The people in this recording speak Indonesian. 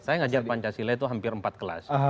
saya ngajar pancasila itu hampir empat kelas